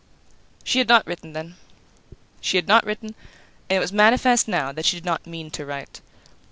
She had not written, then; she had not written, and it was manifest now that she did not mean to write.